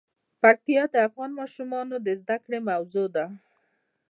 پکتیا د افغان ماشومانو د زده کړې موضوع ده.